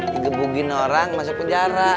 digebugin orang masuk penjara